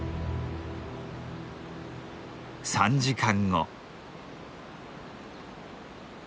３時間後。